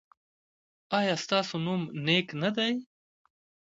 ایا ستاسو نوم نیک دی؟